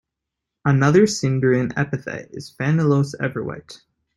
Another Sindarin epithet is "Fanuilos" "Ever-white".